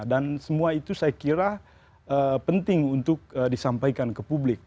dan semua itu saya kira penting untuk disampaikan ke publik